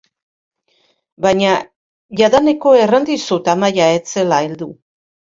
Baina jadaneko erran dizut Amaia ez zela heldu!